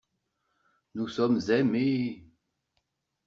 Nous sommes aimés.